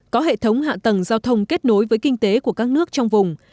có hệ thống hạ tầng giao thông kết nối với kinh tế của các nước trong vùng